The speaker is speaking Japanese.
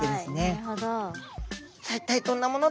なるほど。